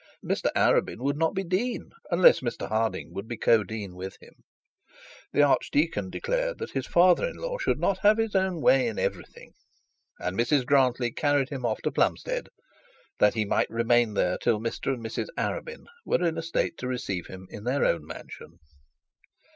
Mr Arabin would not be dean, unless Mr Harding would be co dean with him. The archdeacon declared that his father in law should not have his own way in everything, and Mrs Grantly carried him off to Plumstead, that he might remain there till Mr and Mrs Arabin were in a state to receive him at their own mansion.